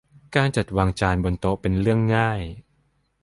การจัดวางจานบนโต๊ะเป็นเรื่องง่าย